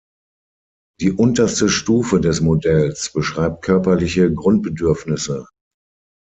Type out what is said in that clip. Die unterste Stufe des Modells beschreibt körperliche Grundbedürfnisse.